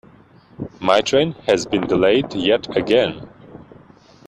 My train has been delayed yet again.